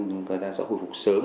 người ta sẽ hồi phục sớm